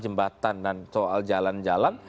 jembatan dan soal jalan jalan